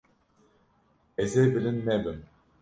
Ez ê bilind nebim.